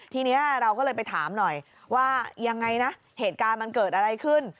ทีนี้เราก็เลยไปถามหน่อยว่ายังไงนะเหตุการณ์มันเกิดอะไรขึ้น